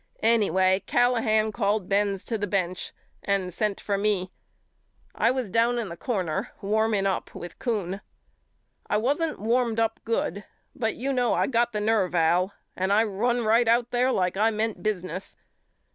Anyway Callahan called Benz to the bench and sent for me. I was down in the corner wanning up with Kuhn. I wasn't warmed up good but you know I got the nerve Al and I run right out there like I meant business.